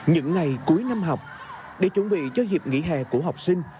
những ngày cuối năm học để chuẩn bị cho hiệp nghỉ hè của học sinh